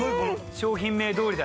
商品名どおりだ。